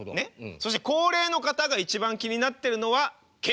そして高齢の方が一番気になってるのは健康運です。